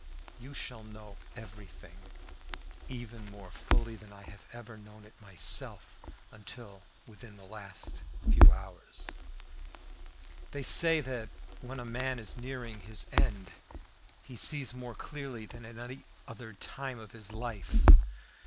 You shall know everything, even more fully than I have ever known it myself until within the last few hours. They say that when a man is nearing his end he sees more clearly than at any other time of his life.